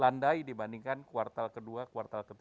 nah tetapi kita melihat dalam berbagai perhitungan data ekonomi